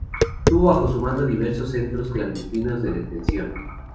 Tuvo bajo su mando diversos centros clandestinos de detención.